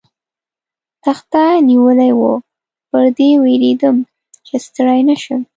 تخته نیولې وه، پر دې وېرېدم، چې ستړی نه شم.